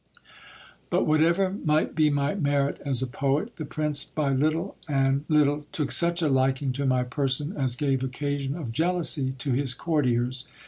But whatever might be my merit as a poet, the prince, by little and little, took such a liking to my person, as gave occasion of jealousy to his courtiers.